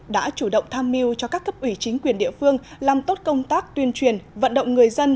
đã chủ động tham mưu cho các cấp ủy chính quyền địa phương làm tốt công tác tuyên truyền vận động người dân